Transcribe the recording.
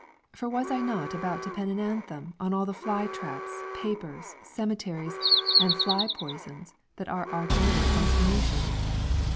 For was I not about to pen an anthem on all the fly traps, papers, cemeteries and fly poisons that are our daily consternation?